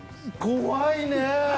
怖いねぇ。